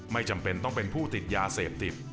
ไม่จำเป็นต้องเป็นผู้ติดยาเสพติด